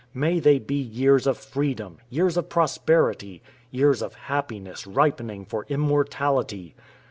May they be years of freedom years of prosperity years of happiness, ripening for immortality!